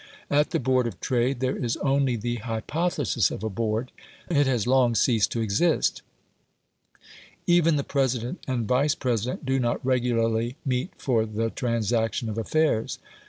At the Board of Trade there is only the hypothesis of a Board; it has long ceased to exist. Even the President and Vice President do not regularly meet for the transaction of affairs.